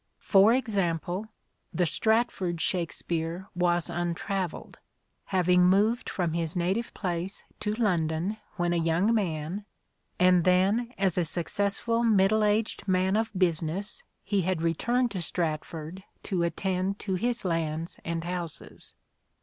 For example, the Stratford Shakspere was untravelled, having moved from his native place to London when a young man, and then as a successful middle aged man of business he had returned to Stratford to attend to his lands and houses.